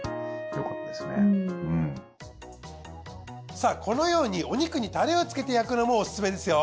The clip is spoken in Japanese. さあこのようにお肉にタレをつけて焼くのもオススメですよ。